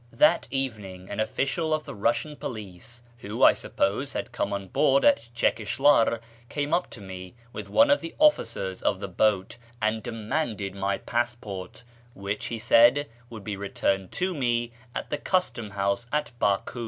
That evening an official of the Eussian police (who, I suppose, had come on board at Chekislilar) came up to me with one of the officers of the boat and demanded my passport, which, he said, would be returned to me at the Custom house at Baku.